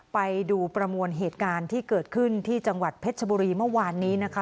ไปดูประมวลเหตุการณ์ที่เกิดขึ้นที่จังหวัดเพชรชบุรีเมื่อวานนี้นะคะ